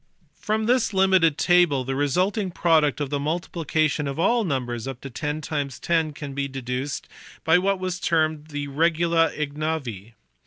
From this limited table the resulting product of the multiplication of all numbers up to 10 x 10 can be deduced by what was termed the regula ignavi.